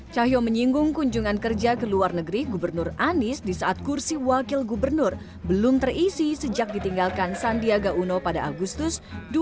cahyo menyinggung kunjungan kerja ke luar negeri gubernur anies di saat kursi wakil gubernur belum terisi sejak ditinggalkan sandiaga uno pada agustus dua ribu dua puluh